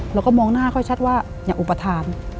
เราก็มองหน้าเขาชัดว่าอย่าอุปทาน